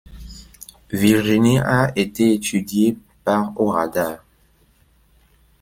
Virginie a été étudié par au radar.